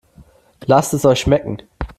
Lasst es euch schmecken!